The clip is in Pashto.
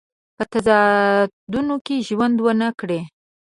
په تضاداتو کې ژوند ونه کړي.